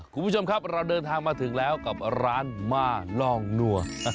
คุณผู้ชมครับเราเดินทางมาถึงแล้วกับร้านมาลองนัว